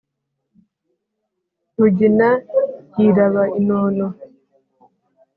rugina yiraba inono.